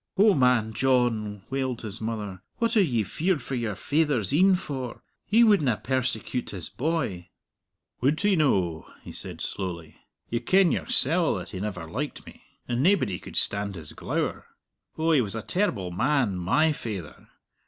"O man John," wailed his mother, "what are ye feared for your faither's een for? He wouldna persecute his boy." "Would he no?" he said slowly. "You ken yoursell that he never liked me! And naebody could stand his glower. Oh, he was a terrible man, my faither!